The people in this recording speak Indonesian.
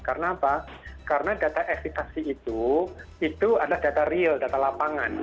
karena apa karena data evitasi itu itu adalah data real data lapangan